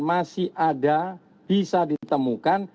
masih ada bisa ditemukan